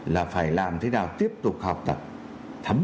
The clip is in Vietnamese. là phải làm thế nào tiếp tục học tập thấm